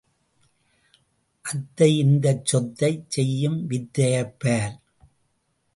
அத்தை இந்தச் சொத்தை செய்யும் வித்தையைப் பார்!